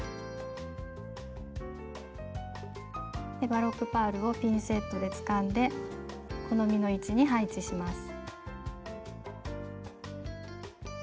バロックパールをピンセットでつかんで好みの位置に配置します。